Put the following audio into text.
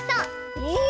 おお！